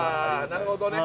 なるほどね